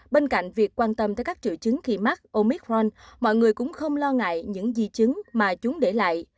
bên cạnh việc quan tâm tới các triệu chứng khi mắc omic ron mọi người cũng không lo ngại những di chứng mà chúng để lại